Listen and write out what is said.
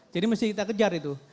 jadi mesti kita kejar itu